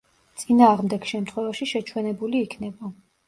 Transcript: წინააღმდეგ შემთხვევაში შეჩვენებული იქნება.